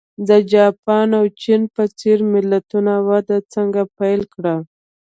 د جاپان او چین په څېر ملتونو وده څنګه پیل کړه.